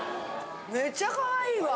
めっちゃかわいいわ。